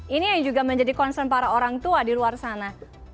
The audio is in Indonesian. ini yang juga menjadi concern para orang tua di luar sana